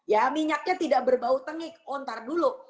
ya minyaknya tidak berbau tengik oh ntar dulu